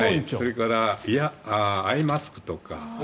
アイマスクとか。